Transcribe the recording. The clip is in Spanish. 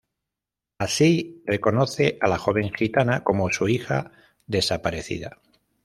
Así reconoce a la joven gitana como su hija desaparecida.